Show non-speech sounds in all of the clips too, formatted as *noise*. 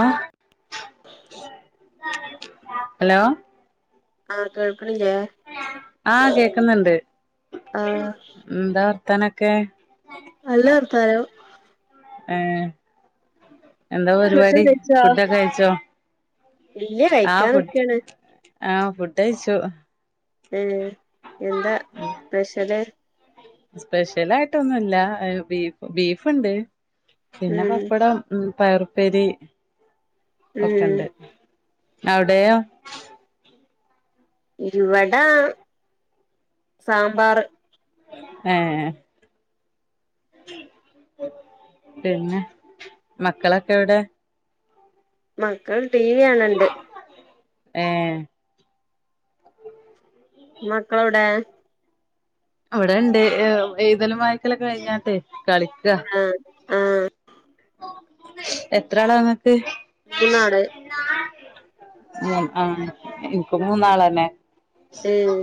ആഹ് hello ആഹ്, കേൾക്കണില്ലേ? ആഹ്, കേക്കുന്നുണ്ട്. ആഹ് എന്താ വർത്താന ക്കെ? നല്ല വർത്താനം. ഏഹ് എന്താ പരിപാടി. ഭക്ഷണം കഴിച്ചോ ഫുഡൊക്കെ കയിച്ചോ? ഇല്ല ആ കഴിക്കാൻ ഫുഡ് നിക്കാണ് ആഹ്, ഫുഡ് കഴിച്ചു. ഏ, എന്താ സ്പെഷ്യല്? സ്പെഷ്യലായിട്ടൊന്നുല്ല. ബീഫ് ബീഫൊണ്ട്. പിന്നെ ഉം പപ്പടം. ഉം, പയർപ്പേരി ഉം ഒക്കണ്ട്. അവിടെ യോ? ഇവെടെ സാമ്പാറ്. ഉം ഏ പിന്നെ മക്കളെക്കെ എവെടെ? മക്കൾ ടി വി കാണണ്ട് ഏഹ് മക്കളെവിടെ? അവിടൊണ്ട്. ഏ എഴുതലും വായിക്കലൊക്കെ കഴിഞ്ഞാട്ടെ. കളിക്ക്വാ. ആഹ് ആഹ് എത്രാളാ നിങ്ങെക്ക്. മൂന്നാള് ആഹ് എനിക്കിപ്പം മൂന്നാളന്നെ ഏഹ്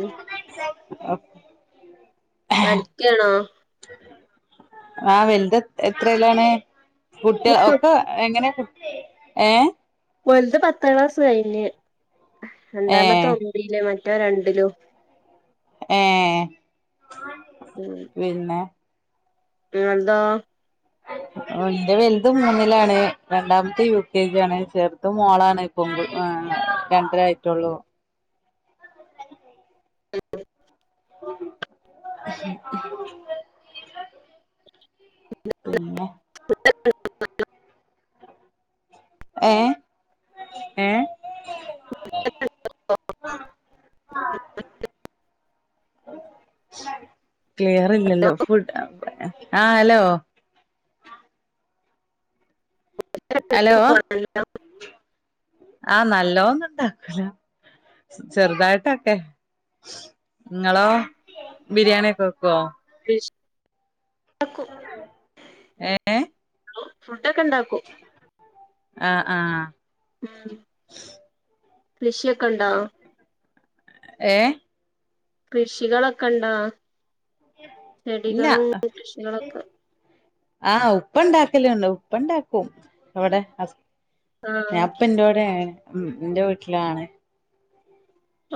പഠിക്കണോ? ആഹ് വെലുത് എത് എത്രയിലാണ്? കുട്ട്യോള് ഒക്കെ. എങ്ങനെ കുക്ക് ഏഹ് വെലുത് പത്താം ക്ലാസ് കഴിഞ്ഞ്. ഏ രണ്ടാമത്തെ ഒൻമ്പില് മറ്റേ രണ്ടിലും ഏഹ് ങ് പിന്നെ നിങ്ങൾതോ? ഓ എന്റെ വെലുതും മൂന്നിലാണ്. രണ്ടാമത്തെ യു കെ ജി ആണ്. ചെറുത് മോളാണ്. പൊവുമ്പോഴും ആഹ് രണ്ടരയായിട്ടൊള്ളൂ. *inaudible* പിന്നെ *unintelligible* ഏഹ് ഏഹ് *inaudible* ക്ലിയർ ഇല്ലല്ലോ. ഫുഡ്. ആ ഹലോ. ഹലോ. ആഹ് നല്ലോന്നോണ്ടാക്കൂല. ചെറുതായിട്ടെക്കെ. നിങ്ങെളോ ബിരിയാണിയൊക്കെ വെക്കുവോ? ഡിഷ് ണ്ടാക്കും. ഏ ഫുഡെക്കെ ഉണ്ടാക്കും. ആഹ് ആഹ് ഉം കൃഷിയൊക്കെ ഒണ്ടോ? ഏ കൃഷികളൊക്കെയൊണ്ടോ. ഇല്ല ചെടികളും കൃഷികളൊക്കെ. ആഹ് ഉപ്പ് ഉണ്ടാക്കലുണ്ട്. ഉപ്പ് ഒണ്ടാക്കും അവടെ ഹസ് ആഹ് ഞാപ്പി ന്റെ എൻ്റെവിടെയാണ് മ് എന്റെ വീട്ടിലാണ്.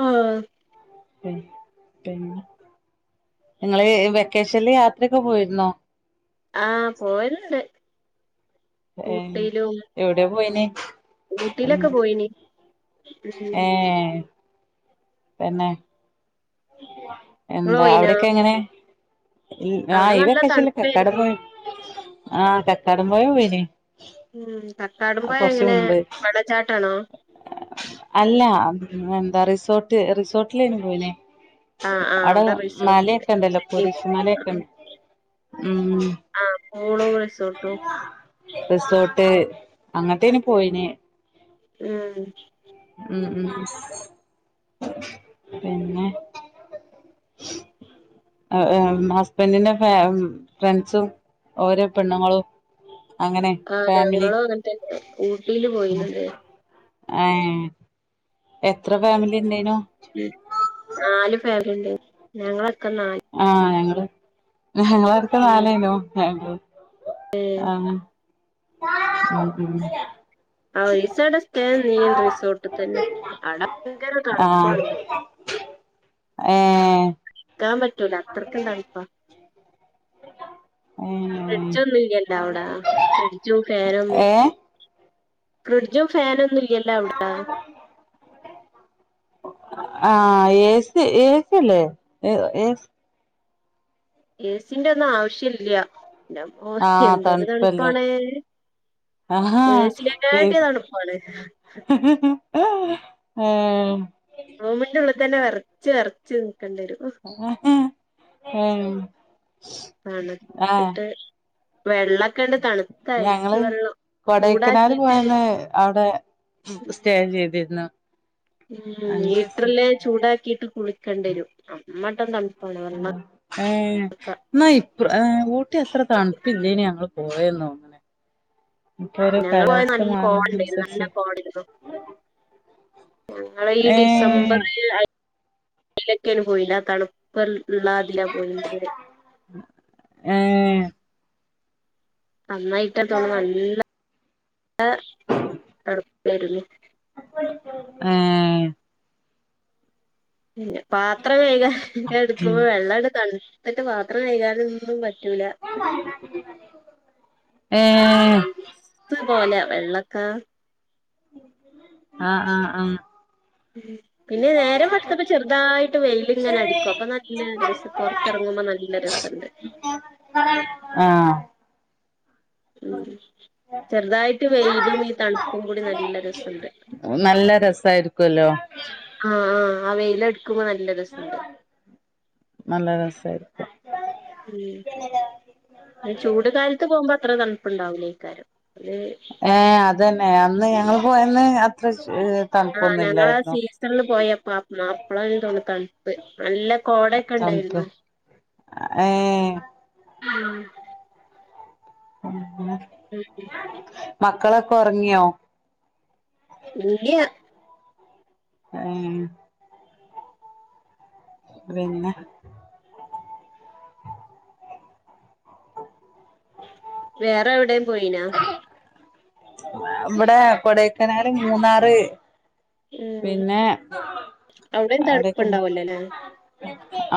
ആഹ് പിന്നെ ഇങ്ങള് വെക്കേഷനിൽ യാത്രയൊക്കെ പോയിരുന്നോ ആഹ് പോവല്ണ്ട് ഏ എവിടെയാ പോയിനെ ഇമ് ഊട്ടിയിലൊക്കെ പോയിനി ഉം ഏ തന്നെ ഇങ്ങള് എന്താ പോയിനോ അവിടെക്കെ എങ്ങനെ ആ അവിടെ ഇ നല്ല വെക്കേഷന് കക്കാട് തണുപ്പായിരുന്നു പോയിന്നു ആഹ് കട്ടാടം പോയാ പോയിന്ന് ഇമ് കക്കാടം പൊയിൽ എങ്ങനെ വെള്ളച്ചാട്ടാണോ അല്ല എന്താ റിസോർട്ട് റിസോർട്ടിലേന്നും പോയില്ലേ ആഹ് ആഹ് അവിടെ റിസോർട്ടുണ്ട് മലയൊക്കെ ഇണ്ടല്ലോ കുരിശ് മലൊക്കെ ഉണ്ട് ഉം ആ പൂളും റിസോർട്ടും റിസോർട്ട് അങ്ങട്ടായിരുന്നു പോയി ഇമ് ഇമ് ഇമ് പിന്നെ *unintelligible* ഹസ്ബൻഡിന്റെ ഫാമി ഫ്രണ്ട്സും ഓരോ പെണ്ണുങ്ങളും അങ്ങനെ ആ ഫാമിലി ഞങ്ങളും അങ്ങനത്തന്നെ ഊട്ടിയില് പോയിന്നത് ഏ എത്ര ഫാമിലി ഇണ്ടായിനു ഇമ് നാല് ഫാമിലിണ്ട് ഞങ്ങളൊക്കെ നാല് ആ ഞങ്ങള് ഞങ്ങളടുത്ത ഉം നാലായിനോ ഞങ്ങള് ഏഹ് ആ ഇമ് ഇമ് ആ ഒരീസം അവിടെ സ്റ്റേ നിന്നിരുന്നു റിസോർട്ട് തന്നെ അവിടെ ഭയങ്കര തണുപ്പാണ് ഏഹ്‌ നിക്കാൻ പറ്റൂല അത്രയ്ക്ക് തണുപ്പാ ഏഹ് ഫ്രീഡ്ഡ്ജ് ഒന്നുല്ലല്ലോ അവിടെ ഫ്രിഡ്ജും ഫാനൊന്നും ഏഹ് ഫ്രിഡ്ജും ഫാനൊന്നുല്ലല്ലോ അവിടെ *inaudible* ആ എസി അല്ലെ എസി ഏസിന്റെന്നും ആവശ്യല്ല ന്റ്റമ്മോ ആഹ് എന്തൊരു തണുപ്പല്ലേ തണുപ്പാണേ ഏസിനെക്കാട്ടിലും തണുപ്പാണ് ആ റൂമിന്റെ ഉള്ളി തന്നെ വറച്ച് വറച്ച് നിക്കണ്ടേരും. ഏഹ്‌ ആണ് ന്നിട്ട് വെള്ള ഞങ്ങള് കൊടേക്കനാൽ ചൂടാക്കിട്ട് പോയന്ന് അവിടെ സ്റ്റേ ചെയ്തിരുന്നു ഉം അഞ്ചീസം ഹീറ്ററില് ചൂടാക്കിയിട്ട് കുളിക്കണ്ടെരും അമ്മട്ടം തണുപ്പാണ് വള്ളം ഏഹ് ന്നാ ഇപ്പ ഊട്ടി അത്ര തണുപ്പില്ലേന് ഞങ്ങള് പോയന്ന്ങ്ങനെ ഇപ്പൊരോ കാലാവസ്ഥ മാറണേനനുസരിച്ച് കോടയിന്നു ഞങ്ങളീ ഏഹ് ഡിസംബറില് അയിലേക്കേണ് പോയിന്ന് ആ തണു പ്പ്‌ള്ളാതിലാ പോയിണ്ടത് ഏഹ് അന്നായിട്ട തോന്നുന്നു നല്ല ല്ല തണുപ്പേരുന്നു. ഏഹ് പിന്നെ പാത്രം കൈകാൻ എടുക്കുമ്പോ വെള്ളങ്ങട്ട് തണു തിട്ട് പാത്രം കഴ്കാനൊന്നും പറ്റൂല ഏഹ് ത്തുപോലെ വെള്ളക്കെ ആഹ് ആഹ് ആഹ് ഉം പിന്നെ നേരെ വെളുത്തപ്പോ ചെറുതായിട്ട് വെയിലിങ്ങനെ അടിക്കും അപ്പൊ നല്ല രസം പൊറത്തിറങ്ങുമ്പോ നല്ല രസം ത്തണ്ട് ആഹ് ഉം ചെറുതായിട്ട് വെയിലും ഈ തണുപ്പും കൂടി നല്ല രസുണ്ട് നല്ല രസമായിരിക്കുല്ലോ ആ ആ ആ വെയിലടുക്കുമ്പോ നല്ല രസണ്ട് നല്ലരസായിരിക്കും ഉം ചൂട് കാലത്ത് പോകുമ്പോ അത്ര തണുപ്പുണ്ടാവൂലേക്കാരം അത് ഏ അതന്നെ അന്ന് ഞങ്ങള് പോയന്ന് അത്ര ആ തണുപ്പൊന്നും ഞങ്ങൾ ആ ഇല്ലായിരുന്നു സീസണില് പോയപ്പോ മാ അപ്പളാന്ന് തോന്നുണു തണുപ് പ്പ് നല്ല കോടയെക്കെ ഉണ്ടായിരുന്നു ആഏ ആ ഉം ഉം *unintelligible* മക്കളക്കൊറങ്ങിയാ ഇല്ലിയാ ആയെ പിന്നെ വേറെവിടെലും പോയിനാ ഇവിടെ കൊടൈക്കനാല് മൂന്നാറ് ഉം പിന്നെ അവിടെയും ആടെക്കെപോയി തണുപ്പുണ്ടാവല്ലോല്ലേ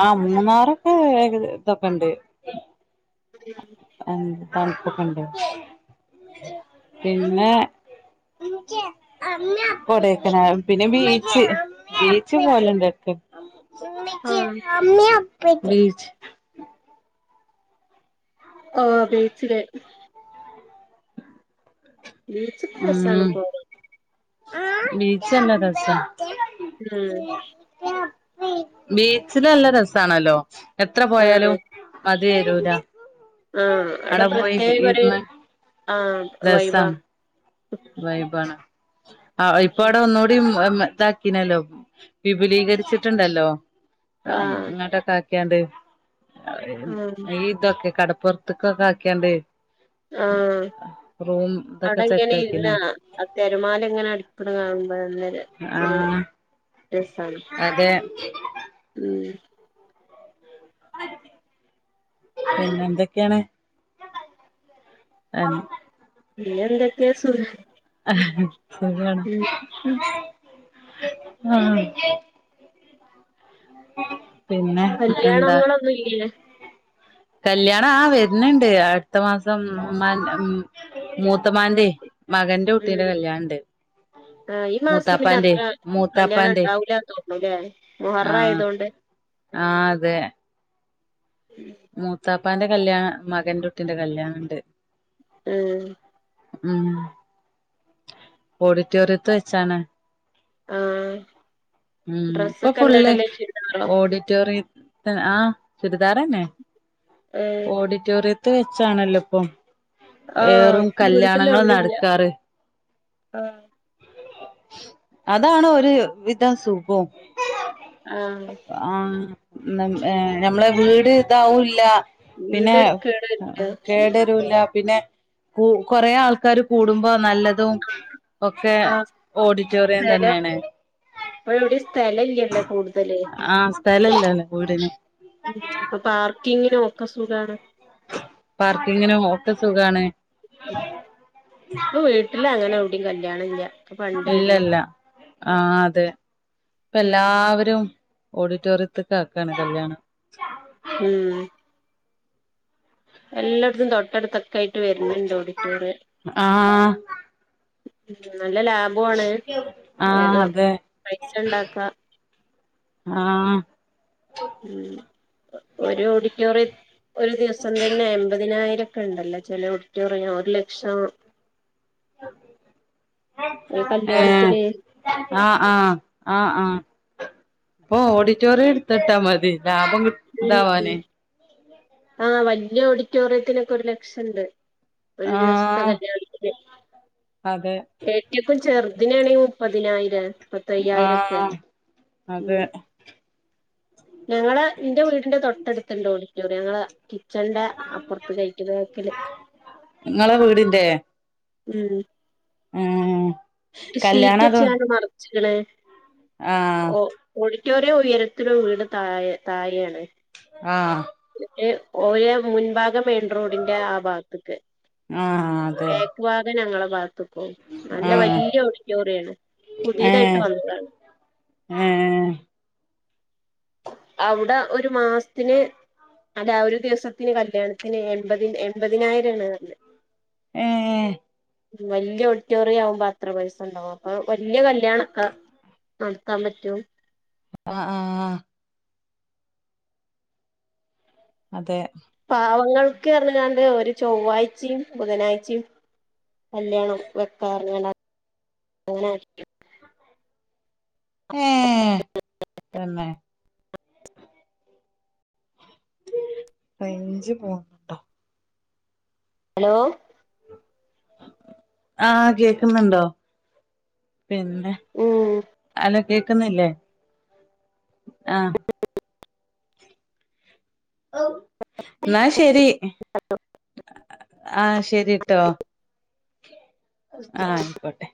ആ മൂന്നാറൊക്കെ ഇതൊക്കെണ്ട് ഉം എ തണുപ്പൊക്കെണ്ട് പിന്നെ *unintelligible* കൊടൈക്കനാൽ പിന്നെ ബീച്ച് ബീച്ച് പോലെണ്ട് ആഹ് *unintelligible* ഒ ബീച്ചിലേ ബീച്ചിക്ക് രസാണ് പോ ബീച്ചല്ല രസാ ഉം ബീച്ചില് നല്ല രസാണല്ലോ എത്ര പോയാലും മതി വെരൂല ആ അവിടെ പ്രത്യേകൊര് ഇരുന്ന് ആഹ് വൈബാ രസാണ് വൈബാണ് ആ ഇപ്പവിടെ ഒന്നൂടി ടിമ് ഇമ് ഇതാക്കീനല്ലോ വിപുലീകരിച്ചിട്ടുണ്ടല്ലോ ആഹ് അങ്ങോട്ടക്കാക്കിയാണ്ട് ആഹ് ഈ തൊക്കെ കടപ്പു ത്തക്കൊക്കാക്കിയാണ്ട് ആഹ് ഇതൊക്കെ അവിടെ സെറ്റ് പിന്ന ആക്കിനാണ് ആ തെരുമാലങ്ങനെ അടുക്കുണ കാണുമ്പോ നല്ലര ആഹ് അതെ ഉം പിന്നെന്തൊക്കെയാണ് അ പിന്നെന്തൊക്കെയ സുഖ അഹ് സുഖവാണ് ആഹ് പിന്നെ എന്താ *unintelligible* കല്യാണ ആ വെരുന്നുണ്ട് അടുത്ത മാസം ഉമ്മാന്റ മൂ ത്തമാന്റെ ആഹ് മകന്റെ കുട്ടീന്റെ കല്യാണണ്ട് ആ ഈ മാസം മൂത്താപ്പാന്റെ പിന്നത്ര മൂത്താപ്പാന്റെ കല്യാണണ്ടാവൂലാന്ന് തോന്നൂലേ മുഹറായത്കൊണ്ട് ആ അതന്നെ മൂത്താപ്പാന്റെ കല്യാണ മകന്റുട്ടീന്റെ കല്യാണണ്ട് ഉം ഉം ഓഡിറ്റോറിയത്ത് വെച്ചാണ് ആഹ് ഉം ഇപ്പൊ ഡ്രസ്സൊക്കെ എന്താ ഫുള്ള് ഇടല് ചുരിദാറോ ഓഡിറ്റോറിയം ആഹ് ചുരിദാറന്നെ. ഏഹ് ഓഡിറ്റോറിയത്ത് വെച്ചാണല്ലോ ഇപ്പം ആഹ് ഏറും ഇപ്പൊ വീട്ടില് കല്യാണങ്ങൾ എവിടേം ഇല്ല നടക്കാറ് ആഹ് അതാണ് ഒരു വിധം സുഖും ആഹ് ആ ഞമ്മളെ വീട് ഇതാവുല്ല. പിന്നെ വീട് കേട് വരില്ല കേടരൂല്ല പിന്നെ കൊറേ ആൾക്കാര് കൂടുമ്പോ നല്ല തും ഒക്കെ ആഹ് ഓഡിറ്റോറിയം തന്നേണ്. ഇപ്പ എവ്ടി സ്ഥലല്ലല്ലേ കൂടുതല് ആഹ് സ്ഥലല്ലെല്ലൊ വീട്ന് ഉം അപ്പൊ പാർക്കിങ്ങിനും ഒക്കെ സുഖാണ്. പാർക്കിങ്ങിനും ഒക്കെ സുഖാണ്. ഇപ്പ വീട്ടില അങ്ങനെ ഔടിം കല്യാണം ഇല്ല. ഒക്കെ പണ്ടായിരുന്നു. ഇല്ലല്ല ആഹ് അതെ ഇപ്പ ഉം എല്ലാവരും ഓഡിറ്റോറിയത്ത്ക്ക് ആക്കാണ് കല്യാണം ഉം എല്ലട്ത്തും തൊട്ടട്ത്തൊക്കെ ആയിട്ട് വര്ന്ന്ണ്ട് ഓഡിറ്റോറിയം. ആഹ് ഉം നല്ല ലാഭു ആണ്. ആഹ് വേഗം അതെ പൈസണ്ടാക്ക ആഹ് ഉം ഒരു ഓഡിറ്റോറിയം ഒരു ദിവസം തന്നെ എമ്പതിനായിരക്കെണ്ടല്ലോ ചെല ഓഡിറ്റോറിയം ഒരു ലക്ഷം ഒരു ഏഹ് കല്യാണത്തിന് ആഹ് ആഹ് ആഹ് ആഹ് പ്പൊ ഓഡിറ്റോറിയം ഇട്ത്തിട്ടാ മതി ലാഭം കി ഇതാവാനേ *unintelligible* വല്യ ഓഡിറ്റോറിയത്തിനൊക്കെ ഒരു ലക്ഷംണ്ട്. ഒരു ദിവസത്തെ ആഹ് കല്യാൺത്തിന് അതെ ഏറ്റക്കും ചെറുതിനാണെങ്കി മുപ്പതിനായിരം മുപ്പത്തയ്യായിരക്കെ ആഹ് അതെ ഞങ്ങളളെ ഇന്റെ വീടിന്റെ തൊട്ടട്ത്ത്ണ്ട് ഓഡിറ്റോറിയ ങ്ങളെ കിച്ചൺന്റെ അപ്പൊർത്ത്ക്കായിട്ട് വേക്കില്. ഇങ്ങളെ വീടിന്റെ ഉം ആഹ് ഇ ഷീറ്റച്ചാണ്ട് മർച്ച്ക്ക്ണ്. ആഹ് ഓ ഓഡിറ്റോറിയം ഉയരത്തിലും വീട് താഴേ താഴേയാണ്. ആഹ് ഓരെ മുൻഭാഗ മെയിൻ റോഡിന്റെ ആ ഭാത്ത്ക്ക് ആഹ് അതെ വാത്‌ ഞങ്ങളെ ഭാത്ത്ക്കും. നല്ല ആഹ് വല്യ ഓഡിറ്റോറിയാണ്. പുതിയതായിട്ട് ഏഹ് വന്നതാണ് ഏഹ് അവ്ടെ ഒരു മാസ്ത്തിന് അല്ല ഒരു ദിവസത്തിന് കല്യാണത്തിന് എമ്പതി എൺപതിനായിരം ആണ് ഏഹ് വല്യയ ഓഡിറ്റോറിയം ആവുമ്പോ അത്ര പൈസ ഉണ്ടാവും. അപ്പൊ വല്യ കല്യാണം ആ നടത്താൻ പറ്റും. ആ ആഹ് അതെ പാവങ്ങൾക്ക് പറഞ്ഞ്ങ്ങ കാണ്ട് ഒരു ചൊവ്വാഴ്ചിം ബുധനാഴ്ചിം. കല്യാണം വെക്കാറ് അങ്ങനെ ആകി എ തന്നെ റഴഞ്ച് പോ ഹലോ? ആഹ കേക്കുന്നുണ്ടോ പിന്നെ ഉം അ കേക്ക്ന്നില്ലേ ആ ന്നാ ശെരി *unintelligible* ആ ശെരിട്ടോ ആ അയ്ക്കോട്ടെ